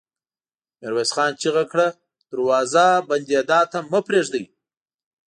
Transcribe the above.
ميرويس خان چيغه کړه! دروازه بندېدا ته مه پرېږدئ!